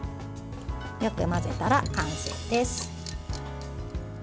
よく混ぜたら完成です。